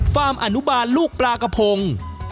ฟาร์มอนุบาลลูกปลากระโพง